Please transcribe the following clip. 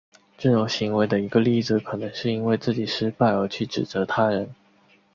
这种行为的一个例子可能是因为自己失败而去指责他人。